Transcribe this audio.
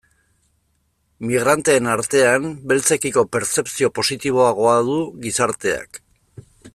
Migranteen artean, beltzekiko pertzepzio positiboagoa du gizarteak.